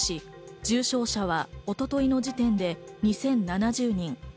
重症者は一昨日の時点で２０７０人。